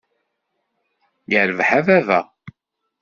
Yirbeḥ a baba!